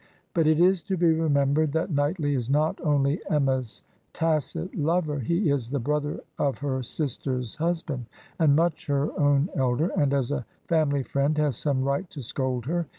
But it is to be remembered that Knightley is not only Emma's tacit lover; he is the brother of her sister's husband, and much her own elder, and as a family friend has some right to scold her.